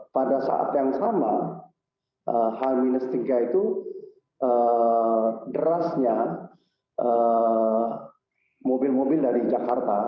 pada saat yang sama h tiga itu derasnya mobil mobil dari jakarta